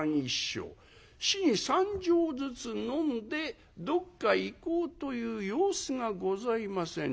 日に３升ずつ飲んでどっか行こうという様子がございません。